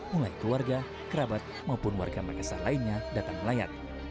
mulai keluarga kerabat maupun warga makassar lainnya datang melayat